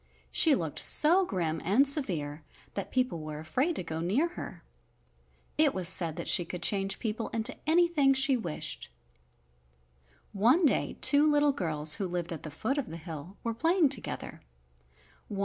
She looked so grim and severe that people were afraid to go near her. It was said that she could change people into anything she wished. One day two little girls who lived at the foot of the hill were playing together.